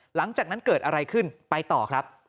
หลังจากนั้นเกิดอะไรขึ้นไปต่อครับ